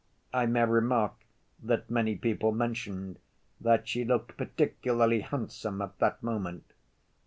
I may remark that many people mentioned that she looked particularly handsome at that moment.